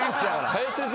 林先生